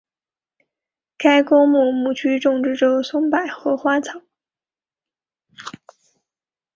该公墓墓区种植着松柏和花草。